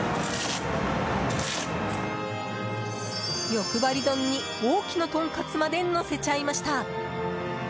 よくばり丼に、大きなとんかつまでのせちゃいました。